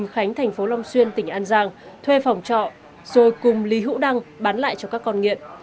khánh thành phố long xuyên tỉnh an giang thuê phòng trọ rồi cùng lý hữu đăng bán lại cho các con nghiện